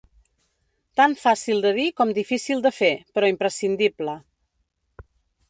Tan fàcil de dir com difícil de fer, però imprescindible.